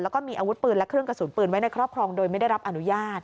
แล้วก็มีอาวุธปืนและเครื่องกระสุนปืนไว้ในครอบครองโดยไม่ได้รับอนุญาต